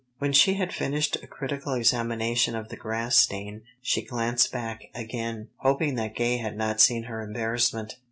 When she had finished a critical examination of the grass stain she glanced back again, hoping that Gay had not seen her embarrassment.